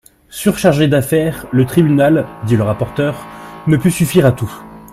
Surchargé d'affaires, le tribunal, dit le rapporteur, ne peut suffire à tout.